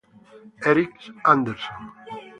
Erich Anderson